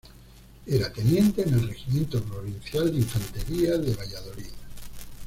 Era teniente en el regimiento provincial de infantería de Valladolid.